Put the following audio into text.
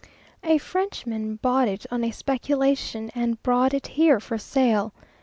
A Frenchman bought it on a speculation, and brought it here for sale.